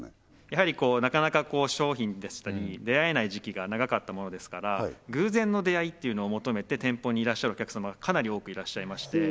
やはりこうなかなか商品でしたり出会えない時期が長かったものですから偶然の出会いっていうのを求めて店舗にいらっしゃるお客様がかなり多くいらっしゃいまして